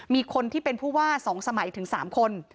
มีคนที่เป็นผู้ว่า๒สมัยถึง๓คน